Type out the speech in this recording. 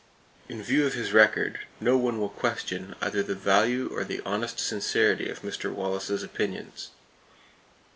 In view of his record, no one [Page 278] will question either the value or the honest sincerity of Mr. Wallace's opinions.